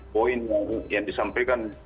poin yang disampaikan